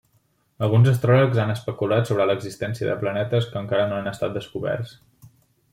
Alguns astròlegs han especulat sobre l'existència de planetes que encara no han estat descoberts.